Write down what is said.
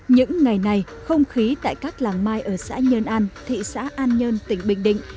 những ngày này không khí tại các làng mai ở xã nhơn an thị xã an nhơn tỉnh bình định